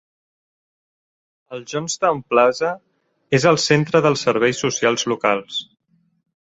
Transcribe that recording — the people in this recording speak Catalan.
El Jonestown Plaza és el centre dels serveis socials locals.